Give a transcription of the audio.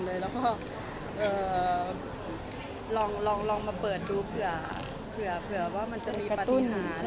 แล้วก็ลองมาเปิดดูเผื่อว่ามันจะมีปฏิหาร